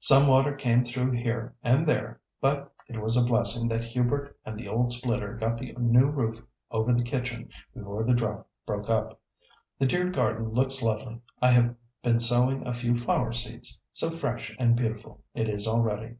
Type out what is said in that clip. Some water came through here and there, but it was a blessing that Hubert and the old splitter put the new roof over the kitchen before the drought broke up. The dear garden looks lovely, I have been sowing a few flower seeds—so fresh and beautiful it is already.